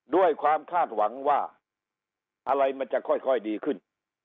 ด้วยความคาดหวังว่าอะไรมันจะค่อยดีขึ้น